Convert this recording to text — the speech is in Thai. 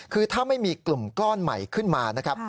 คือถ้าไม่มีกลุ่มก้อนใหม่ขึ้นมานะครับ